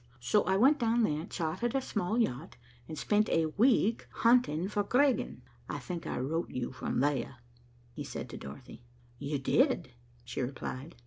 So I went down there, chartered a small yacht, and spent a week hunting for Griegen. I think I wrote you from there," he said to Dorothy. "You did," she replied.